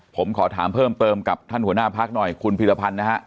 ผมขอถามเพิ่มเติมกับท่านหัวหน้าพักหน่อยคุณพีรพันธ์นะฮะ